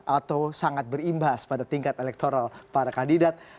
atau sangat berimbas pada tingkat elektoral para kandidat